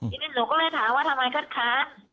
ทีนี้หนูก็เลยถามว่าทำไมคัดค้าน